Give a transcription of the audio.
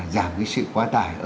giảm cái sự quá tải